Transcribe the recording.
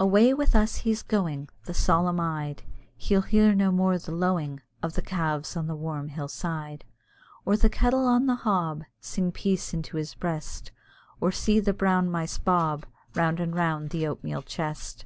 Away with us, he's going, The solemn eyed; He'll hear no more the lowing Of the calves on the warm hill side. Or the kettle on the hob Sing peace into his breast; Or see the brown mice bob Round and round the oatmeal chest.